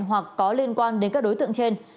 hoặc có liên quan đến các đối tượng trên